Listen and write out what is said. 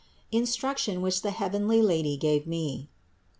INSTRUCTION WHICH THE HEAVENLY LADY GAVE ME.